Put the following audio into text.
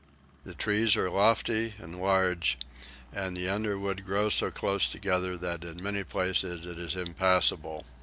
The trees are lofty and large, and the underwood grows so close together that in many places it is impassable.